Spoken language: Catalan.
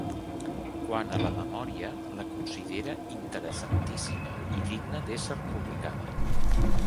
Quant a la Memòria, la considera interessantíssima i digna d'ésser publicada.